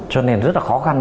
cho nên rất là khó khăn